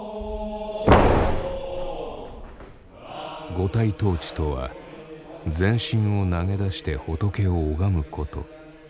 五体投地とは全身を投げ出して仏を拝むこと。